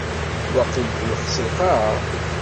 Waqil telxes lqaɛa.